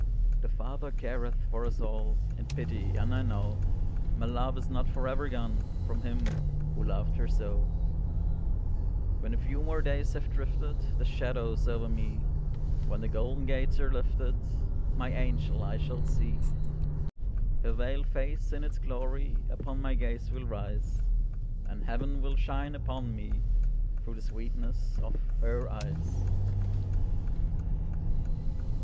The Father careth for us all In pity, and I know My love is not forever gone From him who loved her so; When a few more days have drifted Their shadows over me, When the golden gates are lifted, My angel I shall see; Her veiled face in its glory Upon my gaze will rise, And Heaven will shine upon me Through the sweetness of her eyes.